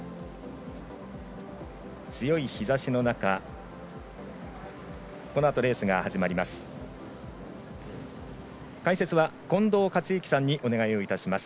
強い日ざしの中このあとレースが始まります。